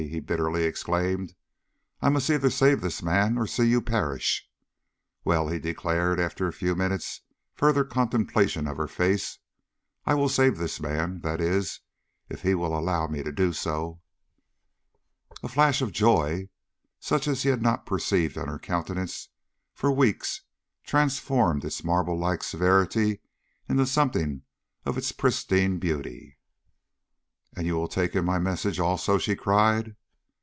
he bitterly exclaimed. "I must either save this man or see you perish. Well," he declared, after a few minutes' further contemplation of her face, "I will save this man that is, if he will allow me to do so." A flash of joy such as he had not perceived on her countenance for weeks transformed its marble like severity into something of its pristine beauty. "And you will take him my message also?" she cried.